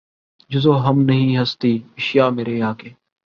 جز وہم نہیں ہستیٔ اشیا مرے آگے